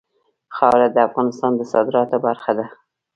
خاوره د افغانستان د صادراتو برخه ده.